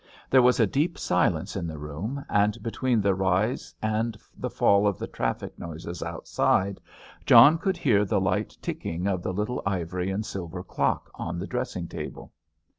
There was a deep silence in the room, and between the rise and the fall of the traffic noises outside, John could hear the light ticking of the little ivory and silver clock on the dressing table.